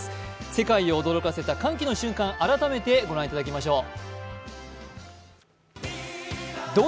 世界を驚かせた歓喜の瞬間、改めてご覧いただきましょう。